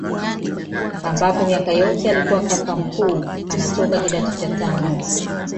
Ambapo miaka yote alikuwa kaka mkuu anatoka kidato cha tano